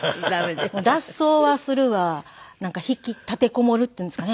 脱走はするわなんか立てこもるっていうんですかね。